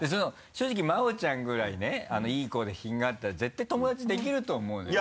正直真央ちゃんぐらいねいい子で品があったら絶対友達できると思うのよ。